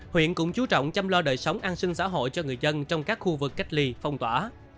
huyện cũng chú trọng chăm lo đời sống an sinh xã hội cho người dân trong các khu vực cách ly phong tỏa